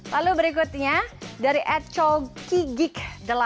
lalu berikutnya dari at chowki geek delapan puluh delapan